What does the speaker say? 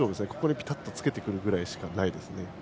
ぴたっとつけてくるくらいしかないですね。